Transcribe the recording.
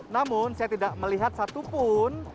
namun saya tidak melihat satupun